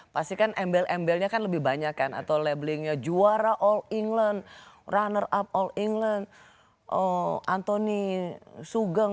pasti kan embel embelnya kan lebih banyak kan atau labelingnya juara all england runner up all england anthony sugeng